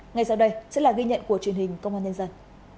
ngay sau đây sẽ là ghi nhận của truyền hình công an nhân dân